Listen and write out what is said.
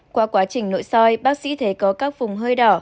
qua quá trình nội soi bác sĩ thấy có các vùng hơi đỏ